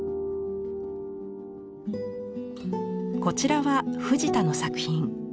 こちらは藤田の作品。